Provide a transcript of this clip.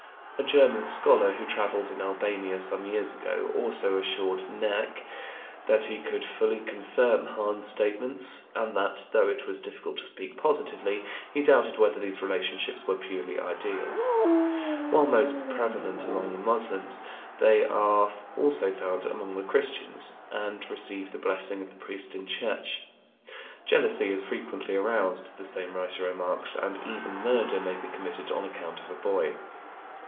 A German scholar who travelled in Albania some years ago, also, assured Näcke (Jahrbuch für sexuelle Zwischenstufen, vol. ix, 1908, p. 327) that he could fully confirm Hahn's statements, and that, though it was difficult to speak positively, he doubted whether these relationships were purely ideal. While most prevalent among the Moslems, they are also found among the Christians, and receive the blessing of the priest in church. Jealousy is frequently aroused, the same writer remarks, and even murder may be committed on account of a boy.